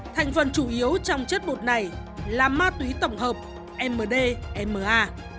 thành phần chủ yếu trong chất bột này là ma túy tổng hợp mdma